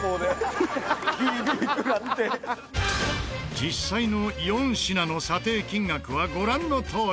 実際の４品の査定金額はご覧のとおり。